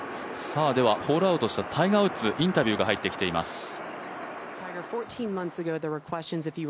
ホールアウトしたタイガー・ウッズのインタビューが入っています。